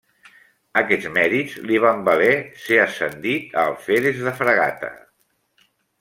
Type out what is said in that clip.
Aquests mèrits li van valer ser ascendit a alferes de fragata.